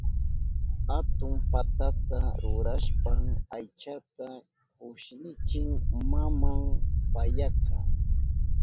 Atun patata rurashpan aychata kushnichin maman payaka.